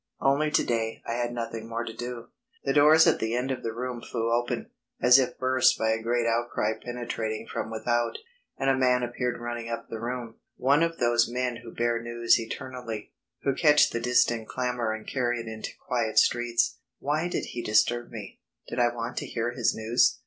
Only to day I had nothing more to do. The doors at the end of the room flew open, as if burst by a great outcry penetrating from without, and a man appeared running up the room one of those men who bear news eternally, who catch the distant clamour and carry it into quiet streets. Why did he disturb me? Did I want to hear his news?